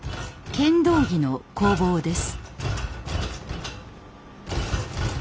剣道着の工房です。